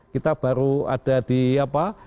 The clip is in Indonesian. kita baru ada di apa